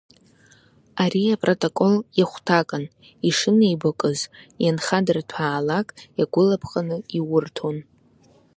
Ари апротокол иахәҭакын, ишынеибакәыз ианхадырҭәаалак, иагәылаԥҟаны иурҭон.